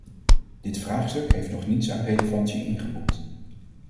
Dit vraagstuk heeft nog niets aan relevantie ingeboet.